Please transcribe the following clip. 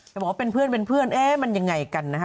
แต่บอกว่าเป็นเพื่อนมันยังไงกันนะคะ